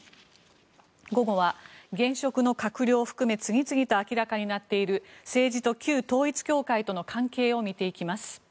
午後は現職の閣僚含め次々と明らかになっている政治と旧統一教会との関係を見ていきます。